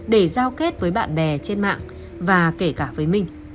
để giao kết với bạn bè trên mạng và kể cả với minh